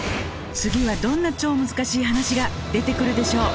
次はどんな超むずかしい話が出てくるでしょう？